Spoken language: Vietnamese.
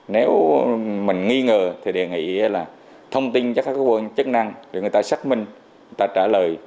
nếu mình nghi ngờ thì đề nghị là thông tin chắc có chức năng để người ta xác minh người ta trả lời